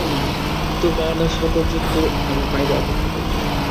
তোর মা না আসা পর্যন্ত আমি বাহিরে অপেক্ষা করব।